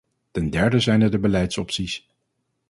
Ten derde zijn er de beleidsopties.